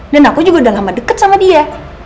dan aku juga udah lama deket sama dia